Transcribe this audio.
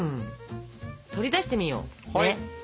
取り出してみよう。